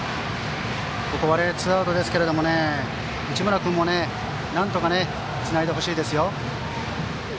ツーアウトですけど市村君もなんとか、つないでほしいですよ。